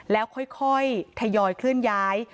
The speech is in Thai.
แล้วค่อยทยอยเคลื่อนย้าย